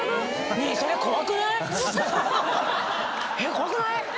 怖くない⁉